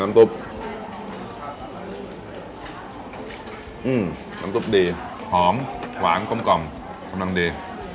หนังตุ๊บผมจับเลยสะลัดกินมาดีสนุกดีหอมวางกล่องกล่องทำดังดี